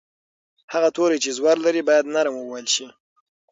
هغه توری چې زور لري باید نرم وویل شي.